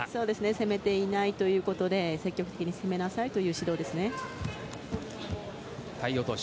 攻めていないということで積極的に攻めなさいという体落とし。